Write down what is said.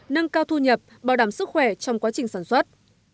nâng cao thu nhập bảo đảm sức khỏe trong quá trình sản xuất